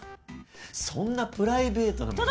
そんなプライベートな物。